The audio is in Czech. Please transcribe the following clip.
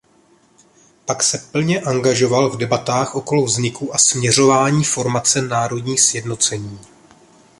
Pak se plně angažoval v debatách okolo vzniku a směřování formace Národní sjednocení.